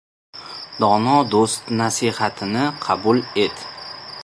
— Dono do‘st nasihatini qabul et.